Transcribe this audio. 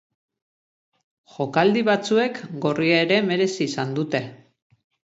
Jokaldi batzuek gorria ere merezi izan dute.